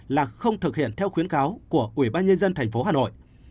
là không thực hiện theo khuyến cáo của ubnd tp hà nội